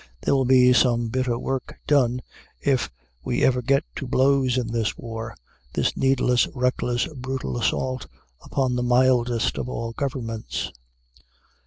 There will be some bitter work done, if we ever get to blows in this war, this needless, reckless, brutal assault upon the mildest of all governments.